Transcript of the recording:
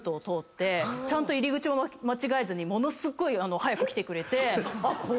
ちゃんと入り口も間違えずにものすごい早く来てくれて。